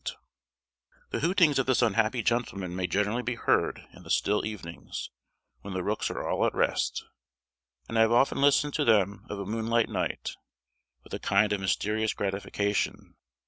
[Illustration: The Hermit Owl] The hootings of this unhappy gentleman may generally be heard in the still evenings, when the rooks are all at rest; and I have often listened to them of a moonlight night with a kind of mysterious gratification.